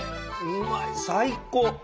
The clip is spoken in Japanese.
うまい最高！